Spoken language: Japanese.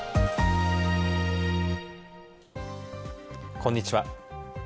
こんにちは。